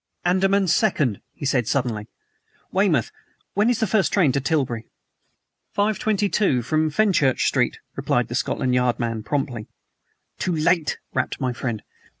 "ANDAMAN SECOND" he said suddenly. "Weymouth, when is the first train to Tilbury?" "Five twenty two from Fenchurch Street," replied the Scotland Yard man promptly. "Too late!" rapped my friend.